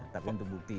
tapi untuk bukti